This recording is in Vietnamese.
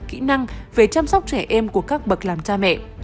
phải chăm sóc trẻ em của các bậc làm cha mẹ